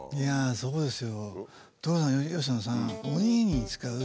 そうですね。